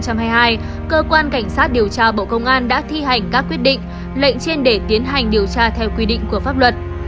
cơ quan cảnh sát điều tra bộ công an đã thi hành các quyết định lệnh trên để tiến hành điều tra theo quy định của pháp luật